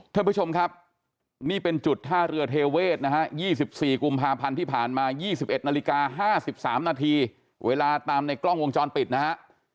ท่านผู้ชมครับนี่เป็นจุดท่าเรือเทเวศนะฮะ๒๔กุมภาพันธ์ที่ผ่านมา๒๑นาฬิกา๕๓นาทีเวลาตามในกล้องวงจรปิดนะฮะ